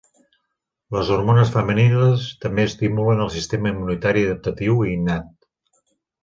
Les hormones femenines també estimulen el sistema immunitari adaptatiu i innat.